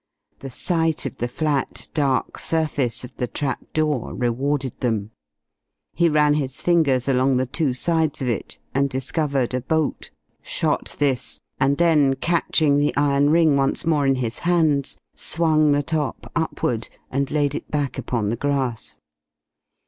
The sight of the flat dark surface of the trap door rewarded them. He ran his fingers along the two sides of it, and discovered a bolt, shot this, and then catching the iron ring once more in his hands, swung the top upward and laid it back upon the grass.